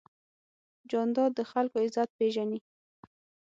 جانداد د خلکو عزت پېژني.